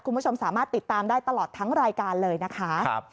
คุณผู้ชมสามารถติดตามได้ตลอดทั้งรายการเลยนะคะ